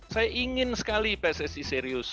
saya ingin sekali pssi serius